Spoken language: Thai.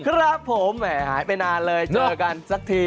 ครับผมแหมหายไปนานเลยเจอกันสักที